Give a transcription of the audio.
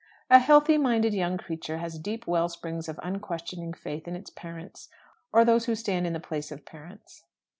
A healthy minded young creature has deep well springs of unquestioning faith in its parents, or those who stand in the place of parents.